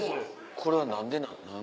これは何でなん？